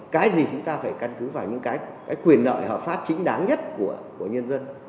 cái gì chúng ta phải căn cứ vào những cái quyền lợi hợp pháp chính đáng nhất của nhân dân